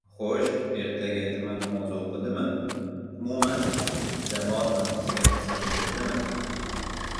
Xo‘sh, ertaga juma namozi o‘qidimi? Umuman, jamoat namoziga ruxsat berildimi?